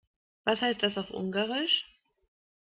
Was heißt das auf Ungarisch?